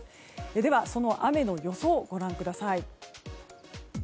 では、その雨の予想をご覧ください。